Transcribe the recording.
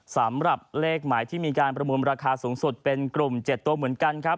สำหรับเลขหมายที่มีการประมูลราคาสูงสุดเป็นกลุ่ม๗ตัวเหมือนกันครับ